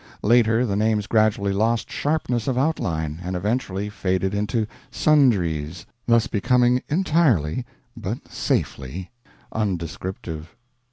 Later the names gradually lost sharpness of outline, and eventually faded into "sundries," thus becoming entirely but safely undescriptive.